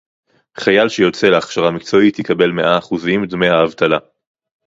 חייל שיוצא להכשרה מקצועית יקבל מאה אחוזים דמי האבטלה